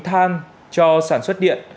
than cho sản xuất điện